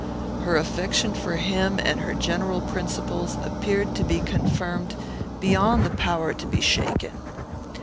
Her affection for him, and her general principles, appeared to be confirmed beyond the power to be shaken.